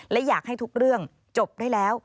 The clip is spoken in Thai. และอยากให้ทุกเรื่องจบได้แล้ว